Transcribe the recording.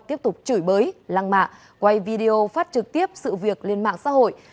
tiếp tục chửi bới lăng mạ quay video phát trực tiếp sự việc lên mạng xã hội